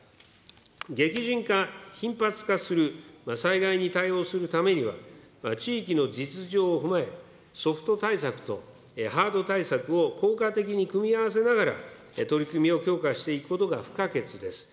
激甚化、頻発化する災害に対応するためには、地域の実情を踏まえ、ソフト対策とハード対策を効果的に組み合わせながら、取り組みを強化していくことが不可欠です。